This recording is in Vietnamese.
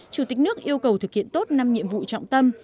chủ tịch nước yêu cầu thực hiện tốt năm nhiệm vụ trọng tâm